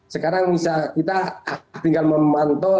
sekarang kita tinggal memantau